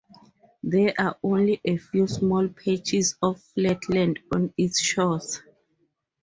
There are only a few small patches of flat land on its shores.